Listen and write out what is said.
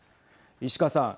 石川さん。